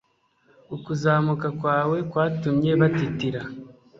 ukuzamuka kwawe kwatumye batitira